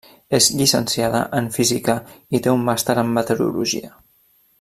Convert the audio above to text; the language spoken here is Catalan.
És llicenciada en Física i té un Màster en Meteorologia.